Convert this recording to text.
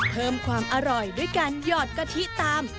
เพิ่มความอร่อยด้วยการหยอดกะทิตาม